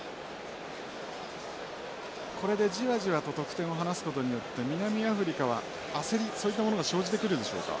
これでじわじわと得点を離すことによって南アフリカは焦りそういったものが生じてくるでしょうか？